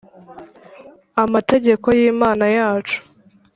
Amategeko Y Imana Yacu